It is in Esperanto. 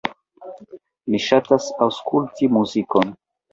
Mi ŝatas aŭskulti muzikon.